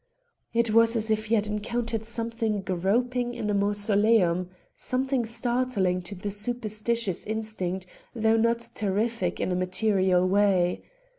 It was as if he had encountered something groping in a mausoleum something startling to the superstitious instinct, though not terrific in a material way.